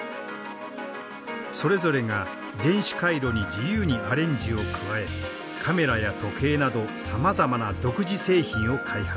それぞれが電子回路に自由にアレンジを加えカメラや時計などさまざまな独自製品を開発。